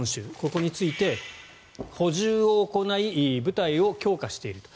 ここについて補充を行い部隊を強化していると。